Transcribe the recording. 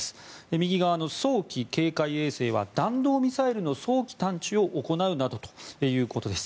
右側の早期警戒衛星は弾道ミサイルの早期探知を行うなどということです。